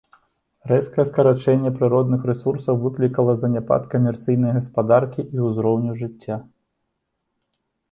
Рэзкае скарачэнне прыродных рэсурсаў выклікала заняпад камерцыйнай гаспадаркі і ўзроўню жыцця.